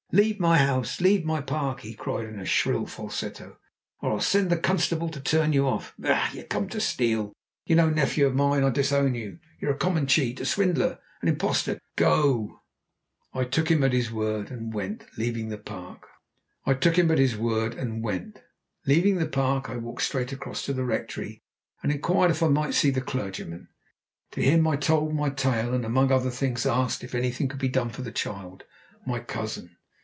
"Leave my house leave my park!" he cried in a shrill falsetto, "or I'll send for the constable to turn you off. Bah! You came to steal. You're no nephew of mine; I disown you! You're a common cheat a swindler an impostor! Go!" I took him at his word, and went. Leaving the park, I walked straight across to the rectory, and inquired if I might see the clergyman. To him I told my tale, and, among other things, asked if anything could be done for the child my cousin.